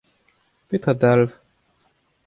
Petra a dalv ?